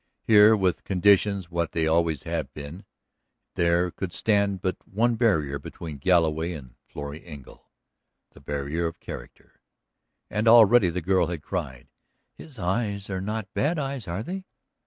Here, with conditions what they always had been, there could stand but one barrier between Galloway and Florrie Engle, the barrier of character. And already the girl had cried: "His eyes are not bad eyes, are they?"